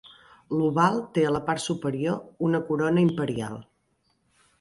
L'oval té a la part superior una corona imperial.